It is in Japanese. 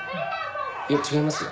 いや違いますよ。